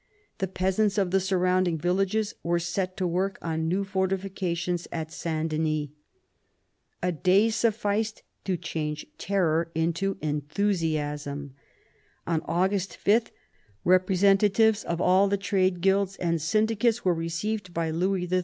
The peasants of the surrounding villages were set to work on new fortifications at Saint Denis. A day sufficed to change terror into enthusiasm. On August 5 representatives of all the trade guilds and syndi cates were received by Louis XIII.